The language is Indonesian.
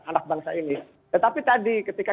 anak bangsa ini tetapi tadi ketika